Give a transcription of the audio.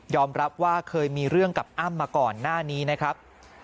รับว่าเคยมีเรื่องกับอ้ำมาก่อนหน้านี้นะครับ